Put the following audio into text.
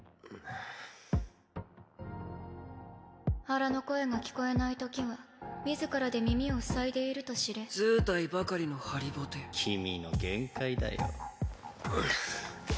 腹の声が聞こえないときは自らで耳を塞いでいると知れ図体ばかりの張りぼて君の限界だよんっ！